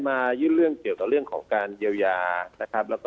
มายื่นเรื่องเกี่ยวกับเรื่องของการเยียวยานะครับแล้วก็